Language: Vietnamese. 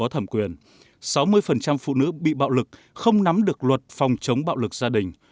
sáu mươi phụ nữ bị bạo lực không nắm được luật phòng chống bạo lực gia đình